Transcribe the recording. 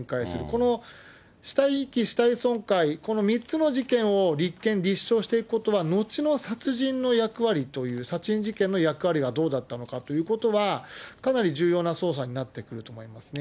この死体遺棄、死体損壊、この３つの事件を立件、立証していくことは、後の殺人の役割という、殺人事件の役割がどうだったのかということは、かなり重要な捜査になってくると思いますね。